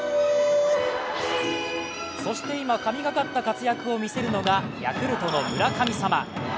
そして今、神がかった活躍を見せるのがヤクルトの村神様。